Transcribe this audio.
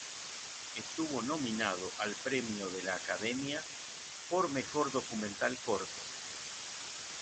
Estuvo nominado al Premio de la Academia por Mejor Documental Corto.